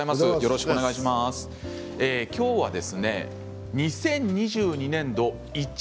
今日は２０２２年度イチ